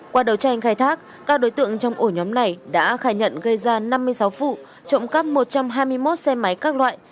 qua đấu tranh khai thác các đối tượng trong ổ nhóm này đã khai nhận gây ra năm mươi sáu vụ trộm cắp một trăm hai mươi một xe máy các loại